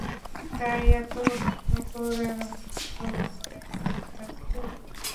তাই এত ঘোরালো মনে হয়ে থাকবে।